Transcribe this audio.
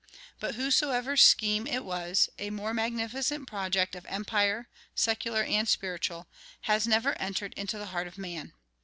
But, whosesoever scheme it was, a more magnificent project of empire, secular and spiritual, has never entered into the heart of man.